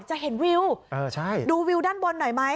จะเห็นวิวดูวิวด้านบนหน่อยไหม